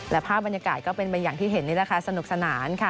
และภาพบรรยากาศก็เป็นไปอย่างที่เห็นนี่แหละค่ะสนุกสนานค่ะ